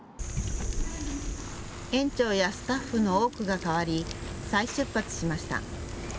園長やスタッフの多くが替わり再出発しました。